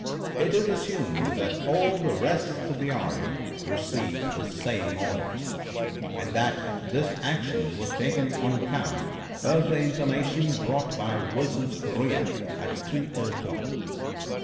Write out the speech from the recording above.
It is assumed that all the rest of the army received the same orders, and that this action was taken on account of the information brought by Wilson's courier at 3 o'clock.